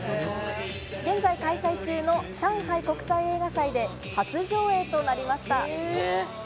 現在、開催中の上海国際映画祭で初上映となりました。